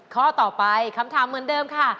ข้อต่อไปคำถามเหมือนเดิมค่ะ